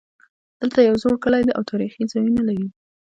دلته یو زوړ کلی ده او تاریخي ځایونه لري